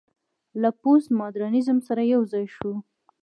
له پوسټ ماډرنيزم سره يوځاى شو